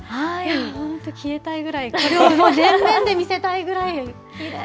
本当、消えたいぐらい、これを全面で見せたいぐらい、きれい。